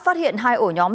phát hiện hai ổ nhóm